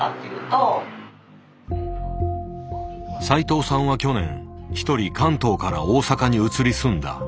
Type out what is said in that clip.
斉藤さんは去年一人関東から大阪に移り住んだ。